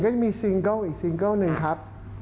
ก็ยังมีซิงเกิ้ลอีกซิงเกิ้ลหนึ่งครับ